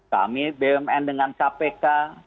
kami bumn dengan kpk